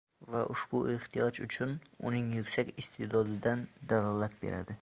va ushbu ehtiyoj uning yuksak iste’dodidan dalolat beradi.